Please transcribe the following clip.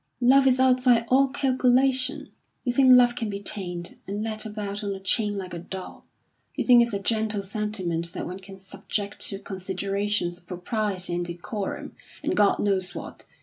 Love is outside all calculation. You think love can be tamed, and led about on a chain like a dog. You think it's a gentle sentiment that one can subject to considerations of propriety and decorum, and God knows what.